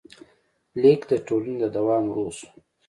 لیک د ټولنې د دوام روح شو.